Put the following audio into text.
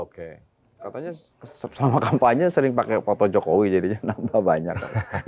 katanya selama kampanye sering pakai foto jokowi jadinya nambah banyak